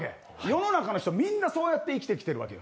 世の中の人、みんなそうやって生きてきてるわけ。